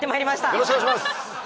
よろしくお願いします！